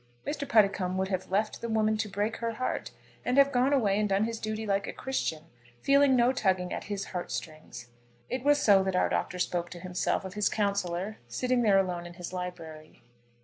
Mr. Puddicombe would have left the woman to break her heart and have gone away and done his duty like a Christian, feeling no tugging at his heart strings. It was so that our Doctor spoke to himself of his counsellor, sitting there alone in his library.